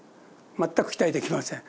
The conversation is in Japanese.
全く期待できません。